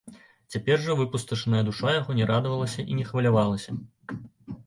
Цяпер жа выпусташаная душа яго не радавалася і не хвалявалася.